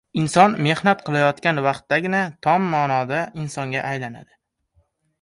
Inson mehnat qilayotgan vaqtdagina tom ma’noda insonga aylanadi.